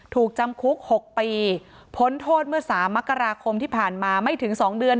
ถูกจำคุก๖ปีพ้นโทษเมื่อ๓มกราคมที่ผ่านมาไม่ถึง๒เดือน